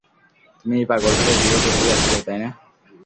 তুমি এই পাগলকে বিয়ে করতে যাচ্ছিলে, তাই না?